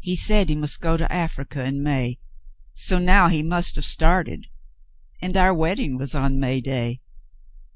"He said he must go to Africa in May, so now he must have started — and our wedding was on May day.